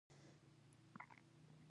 د احمد کورنۍ لس مړي له لاسه ورکړل.